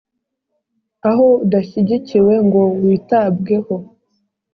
Aho udashyigikiwe ngo witabweho,